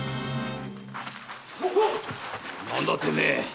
何だてめえ。